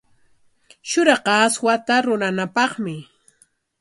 Shuraqa aswata ruranapaqmi.